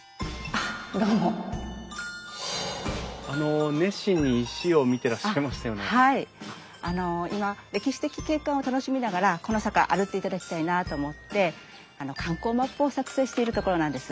あの今歴史的景観を楽しみながらこの坂歩いていただきたいなあと思って観光マップを作成しているところなんです。